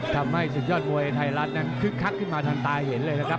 ทำให้ศึกยอดมวยไทยรัฐนั้นคึกคักขึ้นมาทันตาเห็นเลยนะครับ